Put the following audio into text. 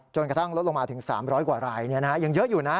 กระทั่งลดลงมาถึง๓๐๐กว่ารายยังเยอะอยู่นะ